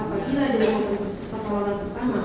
apabila dihubungkan pertolongan pertama